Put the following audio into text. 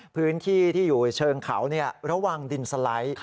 พื้นที่ที่อยู่เชิงเขาเนี่ยระวังดินสลัย